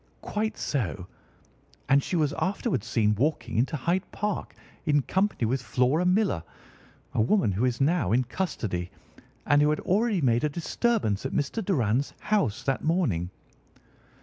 "Quite so. And she was afterwards seen walking into Hyde Park in company with Flora Millar, a woman who is now in custody, and who had already made a disturbance at Mr. Doran's house that morning."